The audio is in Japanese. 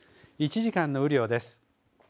１時間の雨量です。